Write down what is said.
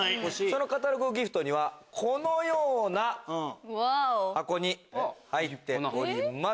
そのカタログギフトはこのような箱に入っております。